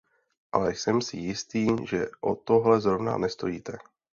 Ale jsem si jistý, že o tohle zrovna nestojíte.